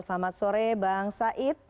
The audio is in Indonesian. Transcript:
selamat sore bang said